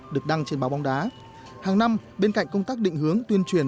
được đăng trên báo bóng đá hàng năm bên cạnh công tác định hướng tuyên truyền